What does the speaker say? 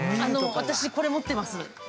私、これ持ってます。